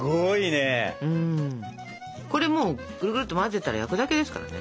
これもうぐるぐるっと混ぜたら焼くだけですからね。